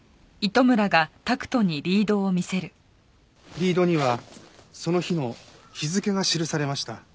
リードにはその日の日付が記されました。